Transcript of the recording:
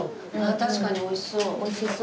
確かにおいしそう。